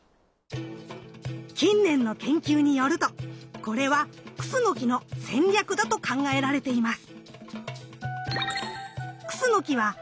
⁉近年の研究によるとこれはクスノキの戦略だと考えられています。